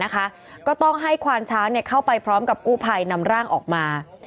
ก็ต้องให้ควานช้างเข้าไปพร้อมกับกู้ภัยนำร่างออกมา